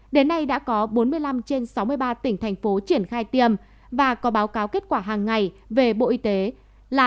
đến nay đã có bốn mươi năm trên sáu mươi ba tỉnh thành phố triển khai tiêm và có báo cáo kết quả hàng ngày về bộ y tế là